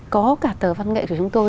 có cả tờ văn nghệ của chúng tôi